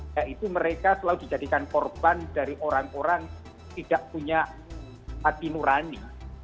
yaitu mereka selalu dijadikan korban dari orang orang tidak punya hati nurani